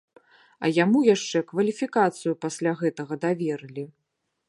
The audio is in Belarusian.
А яму яшчэ кваліфікацыю пасля гэтага даверылі.